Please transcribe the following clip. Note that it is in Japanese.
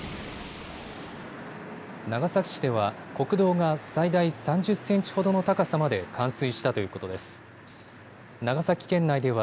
長崎市では国道が最大３０センチほどの高さまで冠水したということです。